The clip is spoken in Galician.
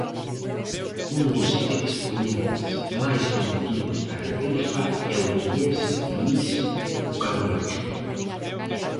Un dos expoñentes máis coñecidos da regueifa é o vigués Luís 'O Caruncho'.